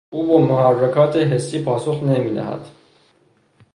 او به محرکات حسی پاسخی نمیدهد